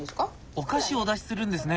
お菓子をお出しするんですね。